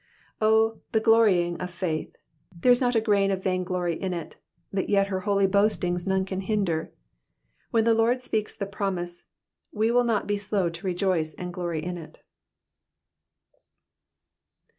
O the glorifying of faith I There is not a grain of vain glory in it, but yet her holy boastings none can hinder. When the Lord speaks the promise, we will not be slow to rejoice and glory in it.